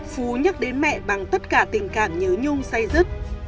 phú nhắc đến mẹ bằng tất cả tình cảm nhớ nhung say rứt